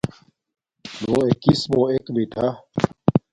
نݸ اݵکِسمݸ اݵک مِٹھݳ.